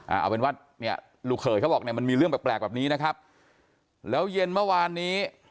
เอาเป็นว่าเนี่ยลูกเขยเขาบอกเนี่ยมันมีเรื่องแปลกแปลกแบบนี้นะครับแล้วเย็นเมื่อวานนี้